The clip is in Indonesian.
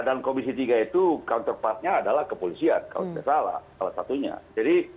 dan komisi tiga itu counterpartnya adalah kepolisian kalau tidak salah salah satunya